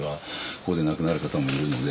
ここで亡くなる方もいるので。